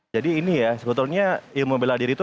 jadi ini ya sebetulnya ilmu beladiri itu